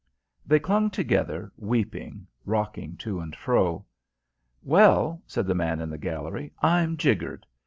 They clung together, weeping, rocking to and fro. "Well," said the man in the gallery, "I'm jiggered!"